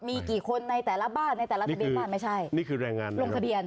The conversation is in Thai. ในแต่ละทะเบียนบ้านไม่ใช่ลงทะเบียน